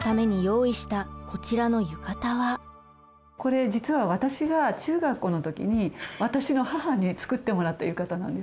これ実は私が中学校の時に私の母に作ってもらった浴衣なんです。